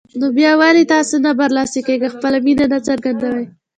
نو بيا ولې تاسو نه برلاسه کېږئ او خپله مينه نه څرګندوئ